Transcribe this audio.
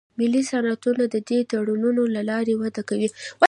ملي صنعتونه د دې تړونونو له لارې وده کوي